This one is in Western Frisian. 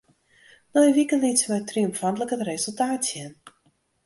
Nei in wike liet se my triomfantlik it resultaat sjen.